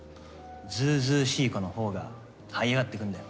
ずうずうしい子のほうがはい上がってくんだよ。